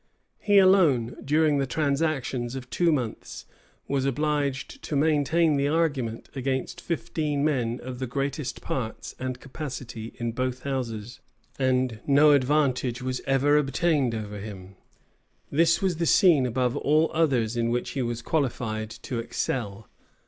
He alone, during the transactions of two months, was obliged to maintain the argument against fifteen men of the greatest parts and capacity in both houses; and no advantage was ever obtained over him,[v] This was the scene above all others in which he was qualified to excel.